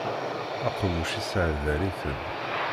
Aqemmuc isseɛdal-iten.